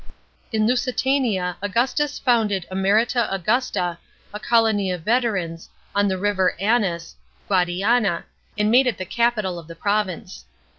In Lusitania, Augustus founded Emerita Augusta, a colony of veterans, on the river Anas (Guadiana), and made it the capital of the province.